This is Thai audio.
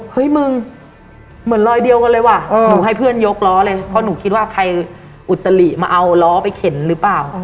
เฮ้ยมึงเหมือนรอยเดียวกันเลยว่ะหนูให้เพื่อนยกล้อเลยเพราะหนูคิดว่าใครอุตลิมาเอาล้อไปเข็นหรือเปล่า